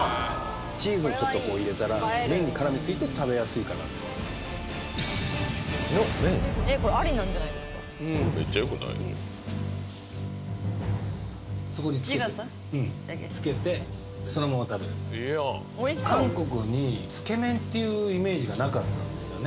チーズをちょっとこう入れたら麺にからみついて食べやすいかなえっこれ有りなんじゃないですかつけてそのまま食べる韓国につけ麺っていうイメージがなかったんですよね